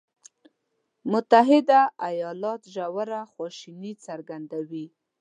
متحده ایالات ژوره خواشیني څرګندوي.